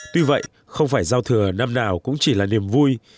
tuy vậy không phải giao thừa năm nào cũng chỉ là niềm vui